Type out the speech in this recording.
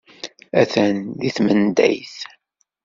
Atan deg tmenḍayt.